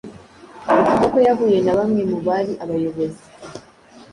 bivugwa ko yahuye na bamwe mu bari abayobozi